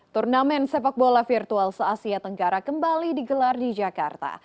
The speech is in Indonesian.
turnamen sepak bola virtual se asia tenggara kembali digelar di jakarta